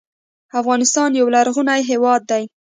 افغانستان یو لرغونی هېواد دی